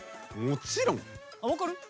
もちろん分かる。